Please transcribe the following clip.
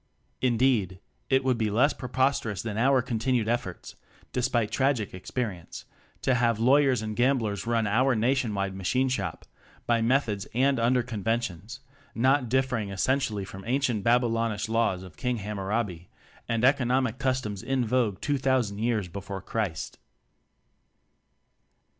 Indeed, it would be less preposter ous than our continued efforts (de spite tragic experience) to have law yers and gamblers run our nationwide Machine Shop by methods and under conventions not differing essentially from ancient Babylonish laws of King Hamurabi and economic customs in vogue two thousand years before Christ.